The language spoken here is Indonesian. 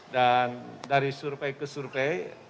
dan dari survei ke survei